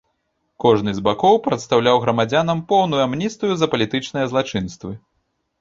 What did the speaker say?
Кожны з бакоў прадастаўляў грамадзянам поўную амністыю за палітычныя злачынствы.